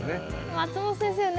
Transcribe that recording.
松本先生ね